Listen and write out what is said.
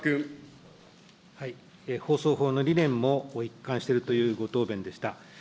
放送法の理念も一貫しているというご答弁でした。